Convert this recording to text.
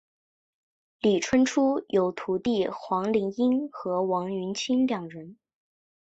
李春初有徒弟黄麒英和王云清两人。